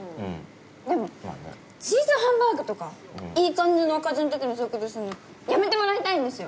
でもチーズハンバーグとかいい感じのおかずの時にそういうことするのやめてもらいたいんですよ！